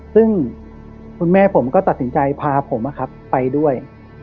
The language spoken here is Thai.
ซึ่งคุณแม่ผมก็ตัดสินใจพาผมไปด้วย